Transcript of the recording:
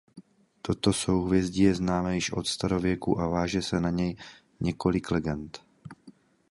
Toto souhvězdí je známé již od starověku a váže se na něj několik legend.